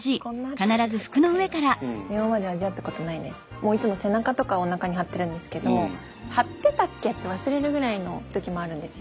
もういつも背中とかおなかに貼ってるんですけど貼ってたっけ？って忘れるぐらいの時もあるんですよ。